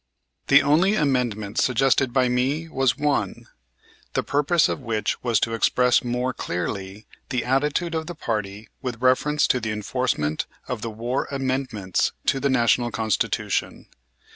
The only amendment suggested by me was one, the purpose of which was to express more clearly the attitude of the party with reference to the enforcement of the war amendments to the National Constitution.